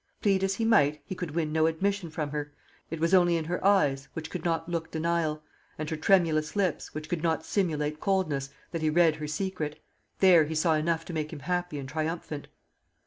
Plead as he might, he could win no admission from her. It was only in her eyes, which could not look denial, on her tremulous lips, which could not simulate coldness, that he read her secret. There he saw enough to make him happy and triumphant.